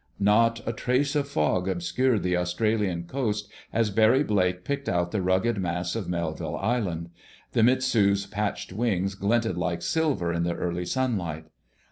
Not a trace of fog obscured the Australian coast as Barry Blake picked out the rugged mass of Melville Island. The Mitsu's patched wings glinted like silver in the early sunlight.